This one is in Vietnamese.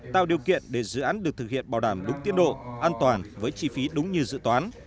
tạo điều kiện để dự án được thực hiện bảo đảm đúng tiến độ an toàn với chi phí đúng như dự toán